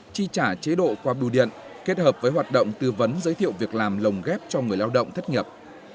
chi trả chế độ qua bưu điện kết hợp với hoạt động tư vấn giới thiệu việc làm lồng ghép cho người lao động thất nghiệp